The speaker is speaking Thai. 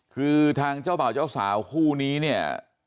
คือทางเจ้าบ่าวเจ้าสาวคู่นี้เนี่ย